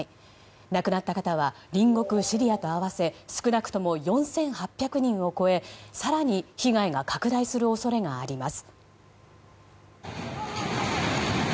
亡くなった方は隣国シリアと合わせ少なくとも４８００人を超え更に被害が拡大する恐れがあります。